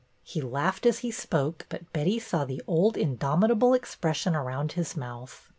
He laughed as he spoke, but Betty saw the old indomitable expression around his mouth.